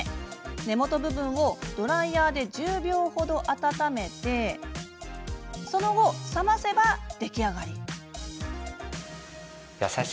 根元部分をドライヤーで１０秒程温めそのあと、冷ませば出来上がり。